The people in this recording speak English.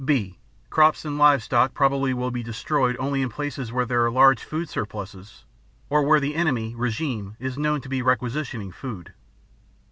(b) Crops and livestock probably will be destroyed only in areas where there are large food surpluses or where the enemy (regime) is known to be requisitioning food.